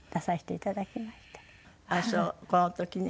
この時ね。